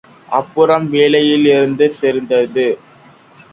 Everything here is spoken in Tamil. அப்புறம் வேலையில் சேர்ந்தது.